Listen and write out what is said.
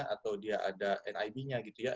atau dia ada nib nya gitu ya